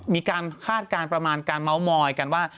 คาดการณ์ประมาณการเมาส์มอยกันว่า